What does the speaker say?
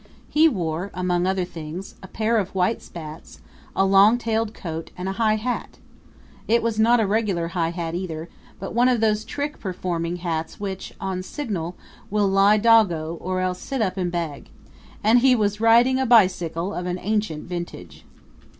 He wore, among other things, a pair of white spats, a long tailed coat and a high hat. It was not a regular high hat, either, but one of those trick performing hats which, on signal, will lie doggo or else sit up and beg. And he was riding a bicycle of an ancient vintage!